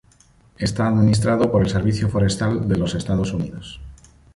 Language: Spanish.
Está administrado por el Servicio Forestal de los Estados Unidos.